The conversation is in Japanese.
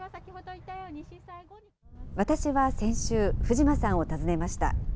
私は先週、藤間さんを訪ねました。